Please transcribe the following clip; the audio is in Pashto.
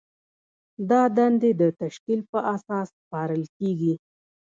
دا دندې د تشکیل په اساس سپارل کیږي.